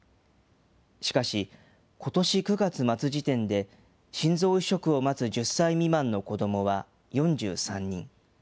しかし、ことし９月末時点で、心臓移植を待つ１０歳未満の子どもは４３人。